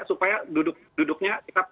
supaya duduknya kita